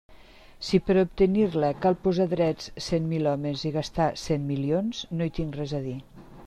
Si per a obtenir-la, cal posar drets cent mil homes i gastar cent milions, no hi tinc res a dir.